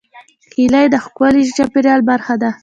هیلۍ د ښکلي چاپېریال برخه ده